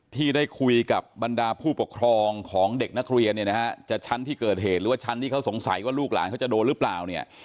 ที่ได้คุยกับบรรดาผู้ปกครองของเด็กนักเรียนเนี่ยนะฮะจะชั้นที่เกิดเหตุหรือว่าชั้นที่เขาสงสัยว่าลูกหลานเขาจะโดนหรือเปล่าเนี่ย